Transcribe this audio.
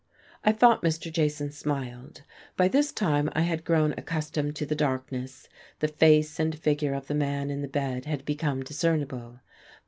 I thought Mr. Jason smiled. By this time I had grown accustomed to the darkness, the face and figure of the man in the bed had become discernible.